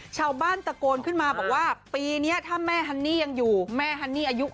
ชาวบ้านตะโกนขึ้นมาบอกว่าปีนี้ถ้าแม่ฮันนี่ยังอยู่แม่ฮันนี่อายุ